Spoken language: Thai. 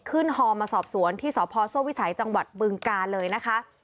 ฮอมาสอบสวนที่สพโซ่วิสัยจังหวัดบึงกาเลยนะคะ